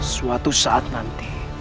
suatu saat nanti